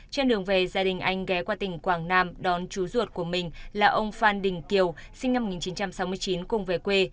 trên đường về gia đình anh ghé qua tỉnh quảng nam đón chú ruột của mình là ông phan đình kiều sinh năm một nghìn chín trăm sáu mươi chín cùng về quê